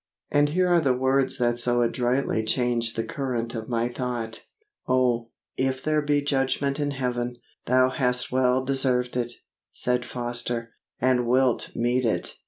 And here are the words that so adroitly changed the current of my thought: '"Oh, if there be judgement in heaven, thou hast well deserved it," said Foster, "and wilt meet it!